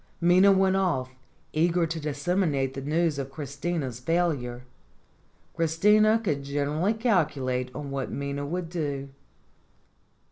Minna went off, eager to disseminate the news of Christina's failure. Christina could generally calculate on what Minna would do.